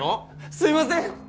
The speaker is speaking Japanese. すいません！